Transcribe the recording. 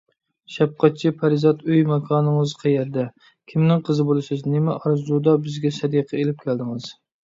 شەپقەتچى پەرىزات، ئۆي - ماكانىڭىز قەيەردە؟ كىمنىڭ قىزى بولىسىز؟ نېمە ئارزۇدا بىزگە سەدىقە ئېلىپ كەلدىڭىز؟